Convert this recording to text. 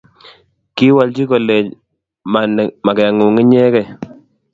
Kiwolchi kolech magengung inyegei